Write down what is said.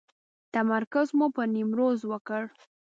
تمرکز مو پر نیمروز وکړ.